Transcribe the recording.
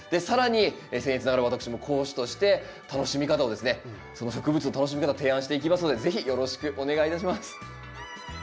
更にせん越ながら私も講師として楽しみ方をですねその植物の楽しみ方提案していきますので是非よろしくお願いいたします。